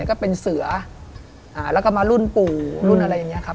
ก็เป็นเสือแล้วก็มารุ่นปู่รุ่นอะไรอย่างนี้ครับ